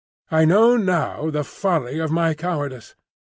I know now the folly of my cowardice.